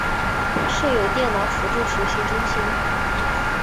设有电脑辅助学习中心。